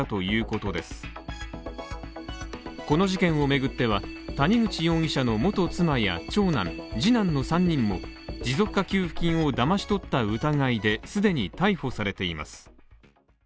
この事件を巡っては、谷口容疑者の元妻や長男、次男の３人も持続化給付金をだまし取った疑いですでに逮捕されています。